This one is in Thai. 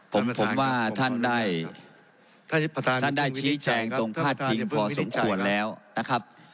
ผมว่าท่านได้ท่านได้ชี้แจงตรงพาดพิงพอสมควรแล้วนะครับ